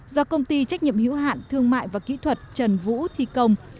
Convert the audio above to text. do công ty trách nhiệm hữu hạn thương mại và kỹ thuật trần vũ thi công